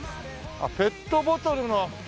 ペットボトルのフタで。